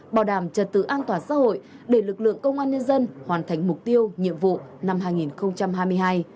bảo đảm trật tự an toàn xã hội để lực lượng công an nhân dân hoàn thành mục tiêu nhiệm vụ năm hai nghìn hai mươi hai